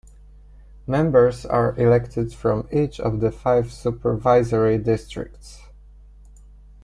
Members are elected from each of the five supervisory districts.